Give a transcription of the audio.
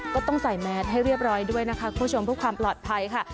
ก็ต้องใส่แมสให้เรียบร้อยด้วยนะคะคุณผู้ชมเพื่อความปลอดภัยค่ะ